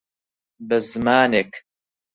به زمانێک،